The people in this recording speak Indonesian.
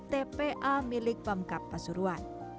tpa milik pemkap pasurwan